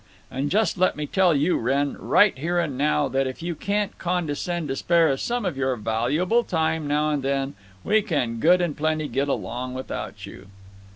And just let me tell you, Wrenn, right here and now, that if you can't condescend to spare us some of your valuable time, now and then, we can good and plenty get along without you."